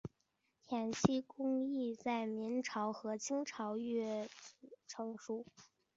填漆工艺在明朝和清朝越趋成熟。